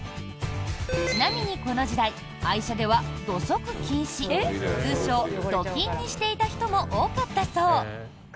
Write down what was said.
ちなみにこの時代愛車では土足禁止通称・土禁にしていた人も多かったそう。